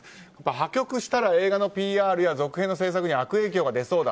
破局したら映画のＰＲや続編制作に悪影響が出そうだ。